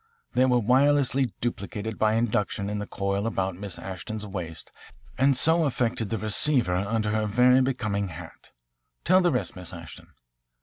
They were wirelessly duplicated by induction in the coil about Miss Ashton's waist and so affected the receiver under her very becoming hat. Tell the rest, Miss Ashton."